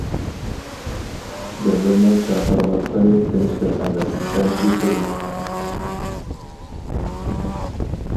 دەۋرنىڭ چاقىرىۋاتقىنى تىنچلىق ئەمەس، بەلكى ئۇرۇش.